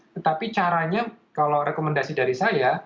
tetapi caranya kalau rekomendasi dari saya